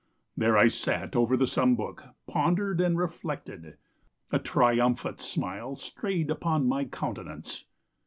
There I sat over the sum book, pondered and reflected. A triumphant smile strayed upon my countenance.